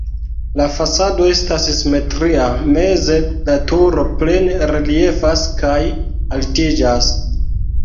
La fasado estas simetria, meze la turo plene reliefas kaj altiĝas.